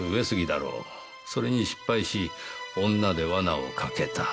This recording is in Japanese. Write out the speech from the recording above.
それに失敗し女で罠をかけた。